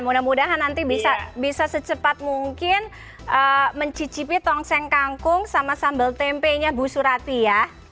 mudah mudahan nanti bisa secepat mungkin mencicipi tongseng kangkung sama sambal tempenya bu surati ya